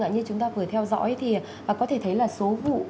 như chúng ta vừa theo dõi thì có thể thấy là số vụ